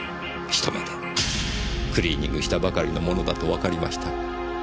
一目でクリーニングしたばかりのものだとわかりました。